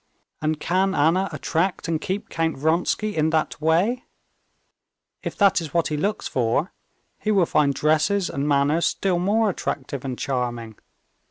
And can Anna attract and keep Count Vronsky in that way? If that is what he looks for, he will find dresses and manners still more attractive and charming.